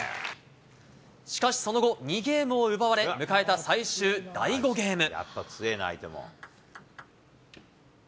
しかしその後、２ゲームを奪われ、迎えた最終第５ゲーム。